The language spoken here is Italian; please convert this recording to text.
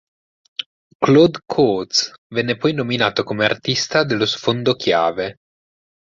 Claude Coats venne poi nominato come artista dello sfondo chiave.